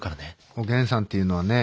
「おげんさん」っていうのはね